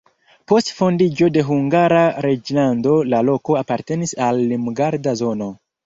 Post fondiĝo de Hungara reĝlando la loko apartenis al limgarda zono.